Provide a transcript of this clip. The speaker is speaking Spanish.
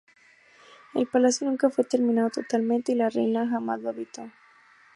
El palacio nunca fue terminado totalmente y la reina jamás lo habitó.